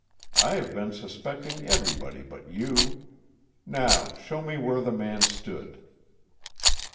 I have been suspecting everybody but you. Now show me where the man stood."